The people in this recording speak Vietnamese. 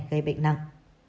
gây bệnh nặng